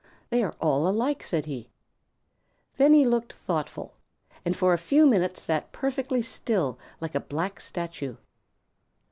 "Huh, they are all alike," said he. Then he looked thoughtful and for a few minutes sat perfectly still like a black statue.